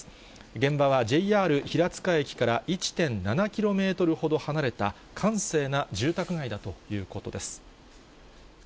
現場はＪＲ平塚駅から１．７キロメートルほど離れた閑静な住宅街だということです。